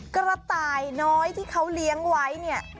กระต่ายน้อยที่เขาเลี้ยงไว้เนี่ย